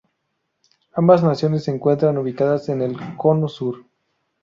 Ambas naciones se encuentran ubicadas en el Cono Sur.